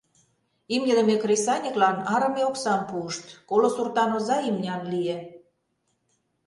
Имньыдыме кресаньыклан арыме оксам пуышт, коло суртан оза имнян лие.